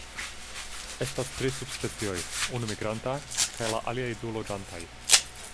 Estas tri subspecioj, unu migranta, kaj la aliaj du loĝantaj.